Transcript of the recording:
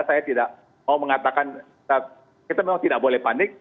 saya tidak mau mengatakan kita memang tidak boleh panik